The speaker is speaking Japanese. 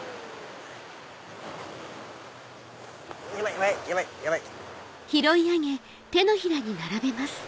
ヤバいヤバいヤバい！